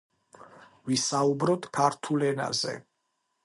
ვისაუბროთ ქართულ ენაზე